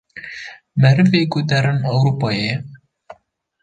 Merivê ku derin Ewrupayê.